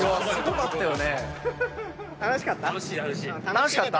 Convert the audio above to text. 楽しかった？